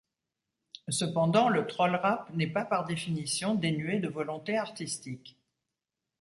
Cependant, le troll rap n'est pas par définition dénué de volonté artistique.